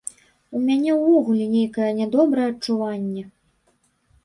У мяне ўвогуле нейкае нядобрае адчуванне.